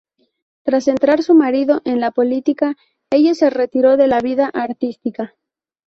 Tras entrar su marido en la política, ella se retiró de la vida artística.